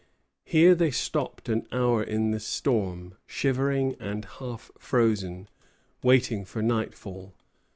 Here they stopped an hour in the storm, shivering and half frozen, waiting for nightfall.